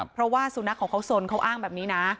เพราะว่าสุนัขของเขาสนเขาอ้างแบบนี้นะ